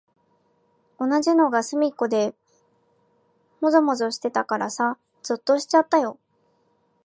同じのがすみっこでもぞもぞしてたからさ、ぞっとしちゃったよ。